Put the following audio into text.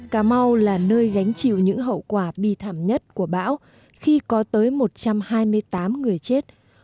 cà mau là nơi gánh chịu những hậu quả bi thảm nhất của bão khi có tới một trăm hai mươi tám người chết